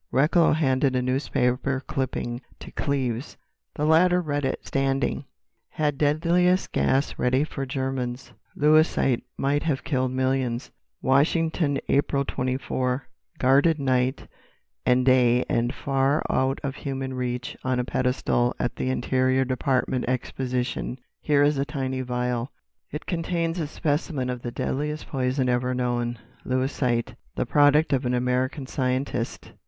Recklow handed a newspaper clipping to Cleves: the latter read it, standing: "Had Deadliest Gas Ready for Germans "'Lewisite' Might Have Killed Millions "Washington, April 24.—Guarded night and day and far out of human reach on a pedestal at the Interior Department Exposition here is a tiny vial. It contains a specimen of the deadliest poison ever known, 'Lewisite,' the product of an American scientist.